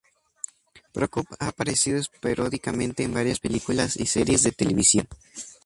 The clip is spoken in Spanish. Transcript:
Prokop ha aparecido esporádicamente en varias películas y series de televisión.